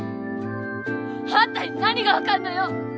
あんたに何がわかんのよ！